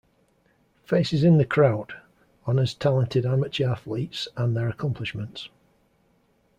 Faces in the Crowd: honors talented amateur athletes and their accomplishments.